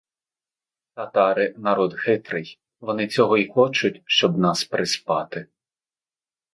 Татари — народ хитрий, вони цього й хочуть, щоб нас приспати.